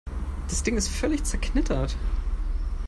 Das Ding ist völlig zerknittert.